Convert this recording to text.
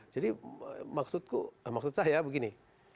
jadi maksudku maksud saya begini